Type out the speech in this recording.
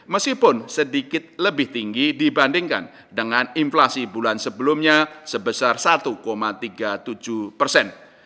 meskipun sedikit lebih tinggi dibandingkan dengan inflasi bulan sebelumnya sebesar satu tiga puluh tujuh persen